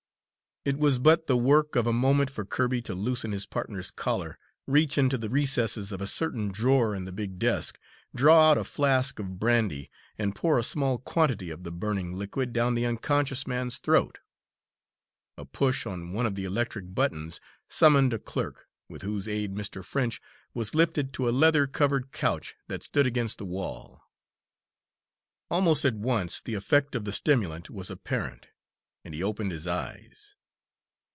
It was but the work of a moment for Kirby to loosen his partner's collar, reach into the recesses of a certain drawer in the big desk, draw out a flask of brandy, and pour a small quantity of the burning liquid down the unconscious man's throat. A push on one of the electric buttons summoned a clerk, with whose aid Mr. French was lifted to a leather covered couch that stood against the wall. Almost at once the effect of the stimulant was apparent, and he opened his eyes.